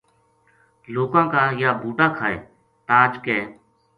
لوکاں کا یاہ بُو ٹا کھائے تاج ک